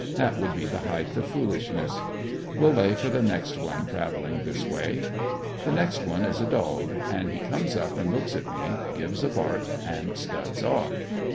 That would be the heighth of foolishness. Will lay for the next one traveling this way. The next one is a dog and he comes up and looks at me, gives a bark and scuds off.